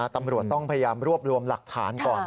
ตำรวจต้องพยายามรวบรวมหลักฐานก่อน